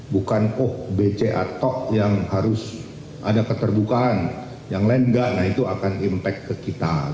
bukan oh bca tok yang harus ada keterbukaan yang lain enggak nah itu akan impact ke kita